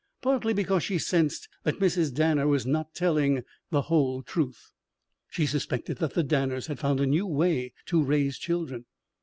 Partly because she sensed that Mrs. Danner was not telling the whole truth. She suspected that the Danners had found a new way to raise children.